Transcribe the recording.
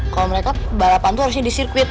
kalau mereka balapan tuh harusnya di sirkuit